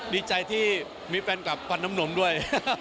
ดีใจที่มีแฟนกับฟันน้ำนมด้วย